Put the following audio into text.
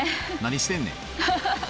何してんねん。